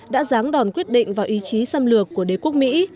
đã ráng đòn quyết định vào ý chí xâm lược của đế quốc mỹ